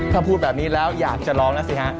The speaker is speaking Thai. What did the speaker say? ถ้าพูดแบบนี้แล้วอยากจะร้องนะสิฮะ